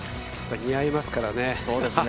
似合いますからね。